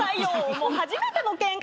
もう初めてのケンカだよ。